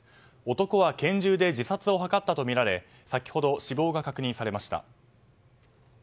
男は拳銃で自殺を図ったとみられ先ほど、死亡が確認されました。